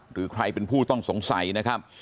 หรือใครเป็นผู้ต้องสงสัยนะครับ